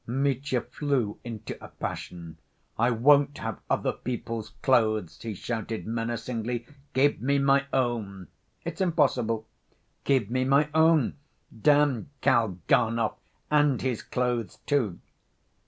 Mitya flew into a passion. "I won't have other people's clothes!" he shouted menacingly, "give me my own!" "It's impossible!" "Give me my own. Damn Kalganov and his clothes, too!"